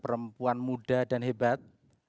perempuan muda dan hebat